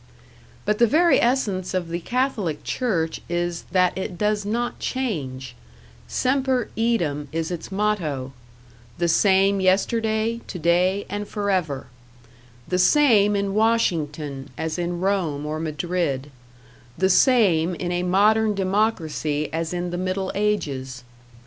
But the very essence of the Catholic Church is that it does not change; #semper eadem# is its motto: the same yesterday, today and forever the same in Washington as in Rome or Madrid the same in a modern democracy as in the Middle Ages.